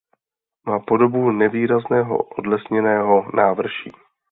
Má podobu nevýrazného odlesněného návrší.